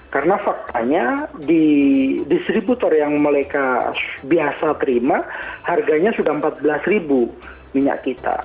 karena faktanya di distributor yang mereka biasa terima harganya sudah rp empat belas minyak kita